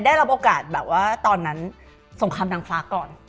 ได้รับโอกาสแบบว่าตอนนั้นสงครามนางฟ้าก่อน